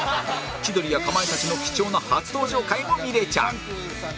千鳥やかまいたちの貴重な初登場回も見れちゃう